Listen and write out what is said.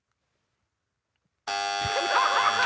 アハハハ！